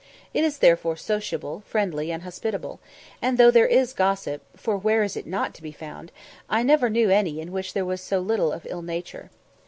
It is therefore sociable, friendly, and hospitable; and though there is gossip for where is it not to be found? I never knew any in which there was so little of ill nature.